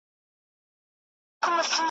د شنبې په ورځ یوې سختي زلزلې ولړزاوه .